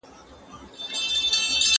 که موږ يو بل ونه زغمو نو هېواد نه جوړيږي.